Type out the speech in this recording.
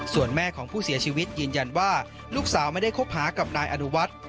ส่วนแม่ของผู้เสียชีวิตยืนยันว่าลูกสาวไม่ได้คบหากับนายอนุวัฒน์